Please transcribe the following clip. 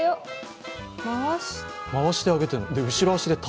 回してあげてるの。